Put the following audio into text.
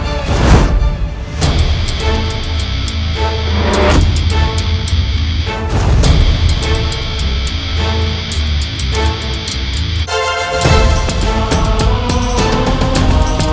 apa yang dilakukan